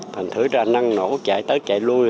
thành thử ra năng nổ chạy tới chạy lui